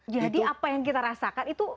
jadi apa yang kita rasakan itu